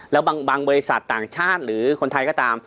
แล้วบางบริษัทต่างชาติหรือคนไทยก็ตาม